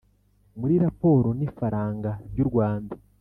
muri raporo n’ ifaranga ry u Rwanda.